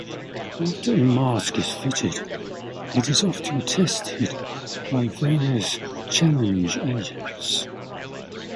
After a mask is fitted, it is often tested by various challenge agents.